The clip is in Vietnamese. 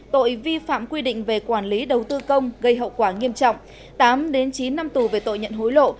tội vi phạm quy định về quản lý đầu tư công gây hậu quả nghiêm trọng tám chín năm tù về tội nhận hối lộ